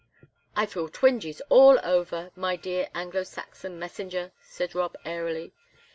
"I feel twinges all over, my dear Anglo Saxon messenger," said Rob, airily.